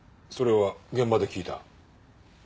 それは現場で聞いた。